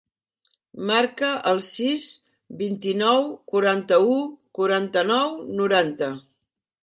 Marca el sis, vint-i-nou, quaranta-u, quaranta-nou, noranta.